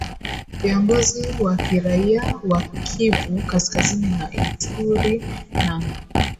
viongozi wa kiraia wa Kivu Kaskazini na Ituri na